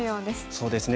そうですね。